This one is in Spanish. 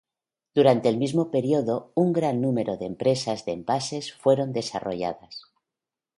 Durante el mismo período, un gran número de empresas de envases fueron desarrolladas.